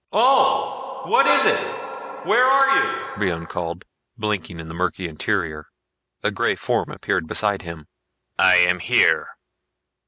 "Ulv! What is it? Where are you?" Brion called, blinking in the murky interior. A grey form appeared beside him. "I am here."